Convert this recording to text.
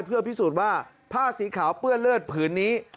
เพื่อพิสูจน์ว่าผ้าสีขาวเปื้อนเลือดผืนนี้